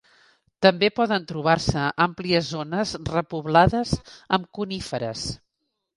També poden trobar-se àmplies zones repoblades amb coníferes.